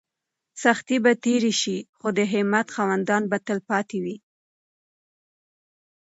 سختۍ به تېرې شي خو د همت خاوندان به تل پاتې وي.